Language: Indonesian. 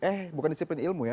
eh bukan disiplin ilmu ya